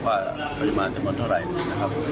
ว่าปริมาณจำนวนเท่าไหร่นะครับ